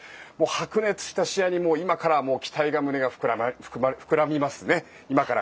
白熱した試合に今から期待で胸が膨らみますね。